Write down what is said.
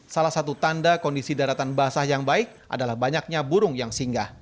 salah satu tanda kondisi daratan basah yang baik adalah banyaknya burung yang singgah